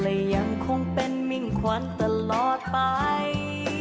และยังคงเป็นมิ่งขวัญตลอดไป